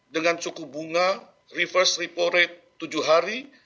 dengan suku bunga reverse repo rate tujuh hari